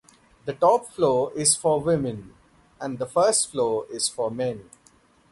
The top floor is for women and the first floor is for men.